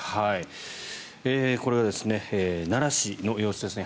これは奈良市の様子ですね。